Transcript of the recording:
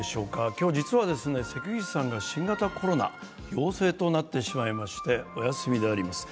今日、実は関口さんが新型コロナ陽性となってしまいまして、お休みであります。